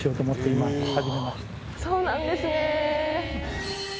そうなんですね！